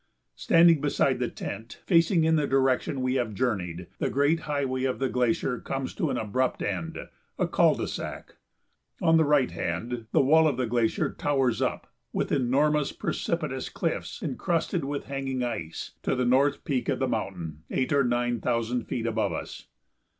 Standing beside the tent, facing in the direction we have journeyed, the great highway of the glacier comes to an abrupt end, a cul de sac. On the right hand the wall of the glacier towers up, with enormous precipitous cliffs incrusted with hanging ice, to the North Peak of the mountain, eight or nine thousand feet above us.